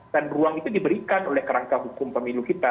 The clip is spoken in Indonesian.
dan ruang itu diberikan oleh kerangka hukum pemilu kita